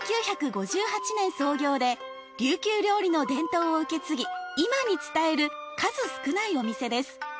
１９５８年創業で琉球料理の伝統を受け継ぎ今に伝える数少ないお店です